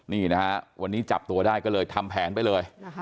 นี่นะฮะวันนี้จับตัวได้ก็เลยทำแผนไปเลย